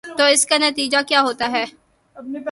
تو اس کا نتیجہ کیا ہو تا ہے۔